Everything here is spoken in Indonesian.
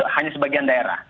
hanya sebagian daerah